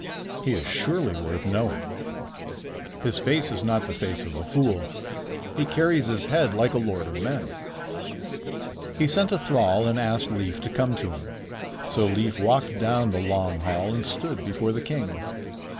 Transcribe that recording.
"He is surely worth knowing. His face is not the face of a fool. He carries his head like a lord of men." He sent a thrall and asked Leif to come to him. So Leif walked down the long hall and stood before the king.